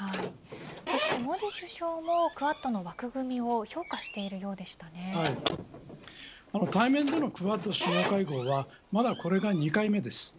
そしてモディ首相もクアッドの枠組みを対面でのクアッド首脳会合はまだこれが２回目です。